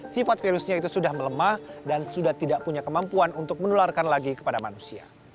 sifat virusnya itu sudah melemah dan sudah tidak punya kemampuan untuk menularkan lagi kepada manusia